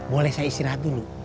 boleh saya istirahat dulu